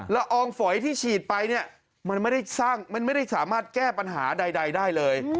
อองฝอยที่ฉีดไปเนี่ยมันไม่ได้สร้างมันไม่ได้สามารถแก้ปัญหาใดได้เลย